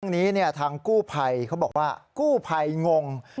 เรื่องนี้ทางกู้ภัยเขาบอกว่ากู้ภัยงง